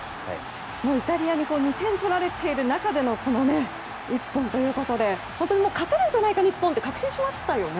イタリアに２点取られている中でのこの一本で本当に勝てるんじゃないかなと確信しましたよね。